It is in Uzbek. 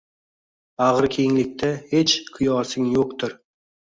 Bag‘ri kenglikda hech qiyosing yo‘qdir